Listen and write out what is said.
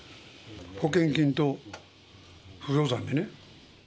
保険金と不動産でね。